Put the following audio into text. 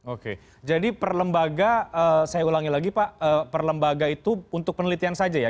oke jadi perlembaga saya ulangi lagi pak perlembaga itu untuk penelitian saja ya